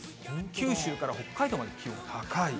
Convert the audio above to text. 九州から北海道まで気温が高い。